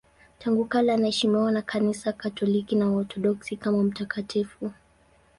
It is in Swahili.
Tangu kale anaheshimiwa na Kanisa Katoliki na Waorthodoksi kama mtakatifu.